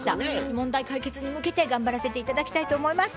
問題解決に向けて頑張らせて頂きたいと思います。